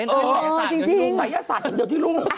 เป็นศัยศาสตร์อย่างเดียวที่รุ่ง